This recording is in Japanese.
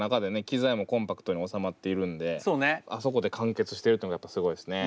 機材もコンパクトに収まっているんであそこで完結してるっていうのがやっぱすごいですね。